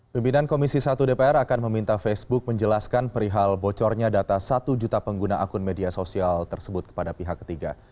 pimpinan komisi satu dpr akan meminta facebook menjelaskan perihal bocornya data satu juta pengguna akun media sosial tersebut kepada pihak ketiga